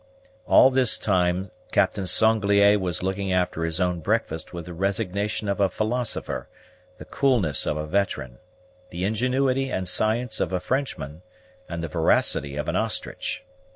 All this time Captain Sanglier was looking after his own breakfast with the resignation of a philosopher, the coolness of a veteran, the ingenuity and science of a Frenchman, and the voracity of an ostrich.